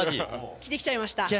着てきちゃいました。